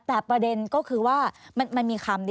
แต่ประเด็นก็คือว่ามันมีคำ